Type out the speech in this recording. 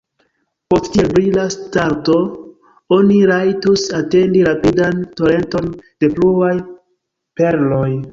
Post tiel brila starto oni rajtus atendi rapidan torenton de pluaj perloj.